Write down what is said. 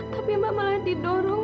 tapi mbak malah didorong